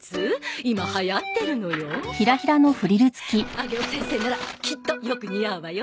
上尾先生ならきっとよく似合うわよ！